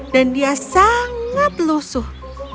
dan dia sangat lusuh